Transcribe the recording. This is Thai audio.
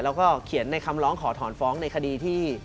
แล้วก็เขียนในคำร้องขอถอนฟ้องในคดีที่